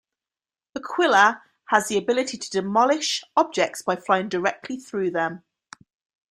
"Aquila" has the ability to demolish objects by flying directly through them.